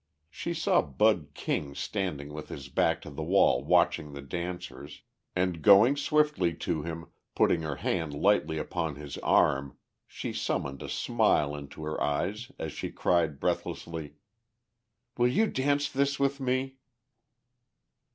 She saw Bud King standing with his back to the wall watching the dancers, and going swiftly to him, putting her hand lightly upon his arm, she summoned a smile into her eyes as she cried breathlessly: "Will you dance this with me?"